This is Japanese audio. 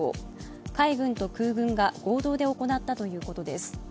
海軍と空軍が合同で行ったということです。